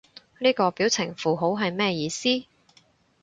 呢個表情符號係咩意思？